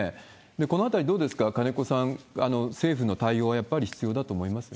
このあたりどうですか、金子さん、政府の対応はやっぱり必要だと思いますか？